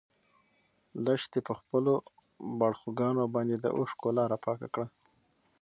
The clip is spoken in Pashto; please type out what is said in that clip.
لښتې په خپلو باړخوګانو باندې د اوښکو لاره پاکه کړه.